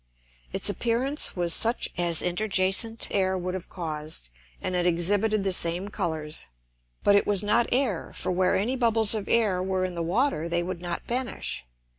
Its appearance was such as interjacent Air would have caused, and it exhibited the same Colours. But it was not air, for where any Bubbles of Air were in the Water they would not vanish.